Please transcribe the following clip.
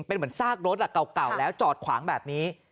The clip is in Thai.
เป็นเหมือนซากรถเก่าแล้วจอดขวางแบบนี้